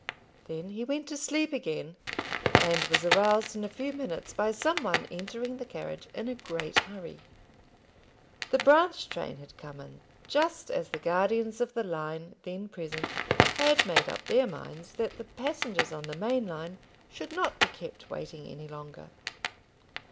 Then he went to sleep again, and was aroused in a few minutes by some one entering the carriage in a great hurry. The branch train had come in, just as the guardians of the line then present had made up their minds that the passengers on the main line should not be kept waiting any longer.